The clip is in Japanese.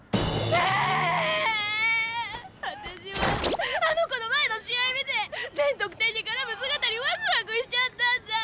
私はあの子の前の試合見て全得点に絡む姿にワクワクしちゃったんだ！